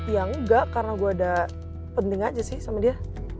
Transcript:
ya enggak karena gue ada penting aja sih sama dia